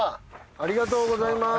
ありがとうございます。